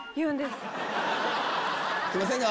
すいませんが。